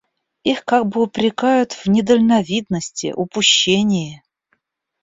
Их как бы упрекают в недальновидности, упущении.